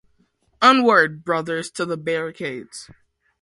Onward, brothers, to the barricades!